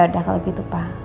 ya udah kalau gitu pak